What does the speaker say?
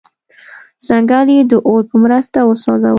ځنګل یې د اور په مرسته وسوځاوه.